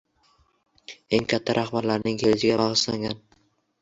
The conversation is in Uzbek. Eng katta rahbarlarning kelishiga bag‘ishlangan.